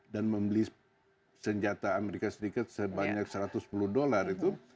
dan membeli senjata amerika serikat sebanyak satu ratus sepuluh dolar itu